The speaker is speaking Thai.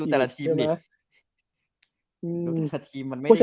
ดูแต่ละทีมมันไม่ง่าย